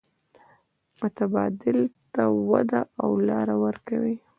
متبادل ته وده او لار ورکوي.